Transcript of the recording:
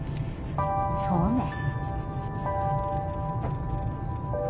そうね。